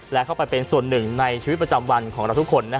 และเข้าไปเป็นส่วนหนึ่งในชีวิตประจำวันของเราทุกคน